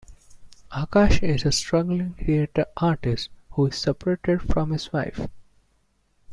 Akash is a struggling theater artist who is separated from his wife.